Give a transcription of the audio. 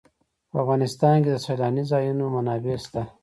په افغانستان کې د سیلانی ځایونه منابع شته.